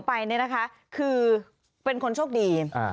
เสนอไปเนี่ยนะคะคือเป็นคนโชคดีอ่า